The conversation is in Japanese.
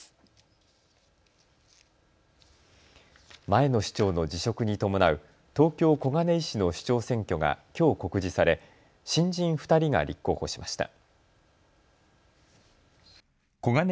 前の市長の辞職に伴う東京小金井市の市長選挙がきょう告示され新人２人が立候補しました。